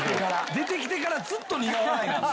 出てきてからずっと苦笑い。